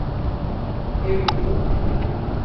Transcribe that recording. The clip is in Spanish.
¿he vivido?